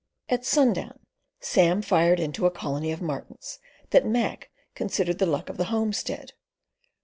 At sundown Sam fired into a colony of martins that Mac considered the luck of the homestead.